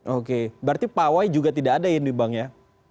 oke berarti pawai juga tidak ada ya ini bang ya